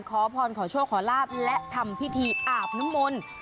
ขอพรขอโชคขอลาบและทำพิธีอาบน้ำมนต์